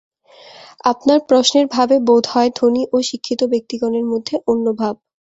আপনার প্রশ্নের ভাবে বোধ হয়, ধনী ও শিক্ষিত ব্যক্তিগণের মধ্যে অন্য ভাব।